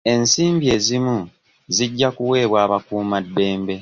Ensimbi ezimu zijja kuwebwa abakuuma ddembe.